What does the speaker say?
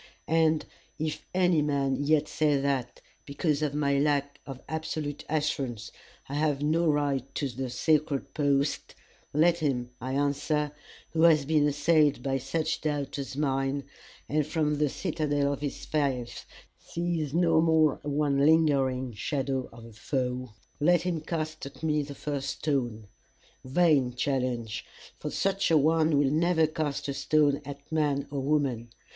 "And if any man yet say that, because of my lack of absolute assurance, I have no right to the sacred post, Let him, I answer, who has been assailed by such doubts as mine, and from the citadel of his faith sees no more one lingering shadow of a foe let him cast at me the first stone! Vain challenge! for such a one will never cast a stone at man or woman.